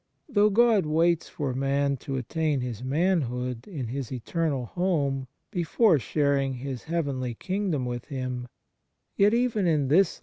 Though God waits for man to attain his manhood in his eternal home before sharing His heavenly king dom with him, yet even in this life He 1 Luke xii.